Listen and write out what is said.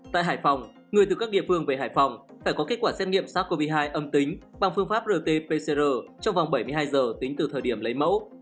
tại hải phòng người từ các địa phương về hải phòng phải có kết quả xét nghiệm sars cov hai âm tính bằng phương pháp rt pcr trong vòng bảy mươi hai giờ tính từ thời điểm lấy mẫu